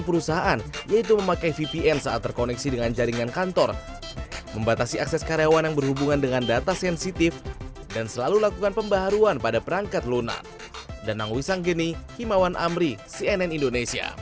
berikut tips sederhana untuk mencegah kebocoran data di lingkungan